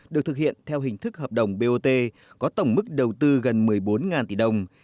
được thực hiện theo hình thức hợp đồng bot có tổng mức đầu tư gần một mươi bốn tỷ đồng